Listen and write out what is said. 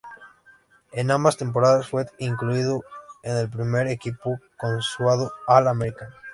En ambas temporadas fue incluido en el primer equipo consensuado All-American.